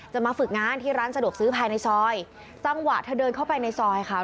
มาฝึกงานที่ร้านสะดวกซื้อภายในซอยจังหวะเธอเดินเข้าไปในซอยค่ะ